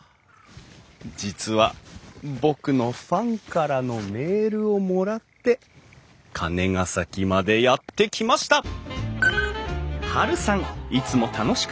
実は僕のファンからのメールをもらって金ケ崎までやって来ました！というわけでやって来ました。